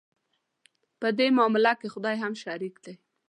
په دې معامله کې خدای هم شریک دی.